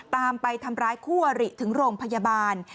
ไปทำร้ายคู่อริถึงโรงพยาบาล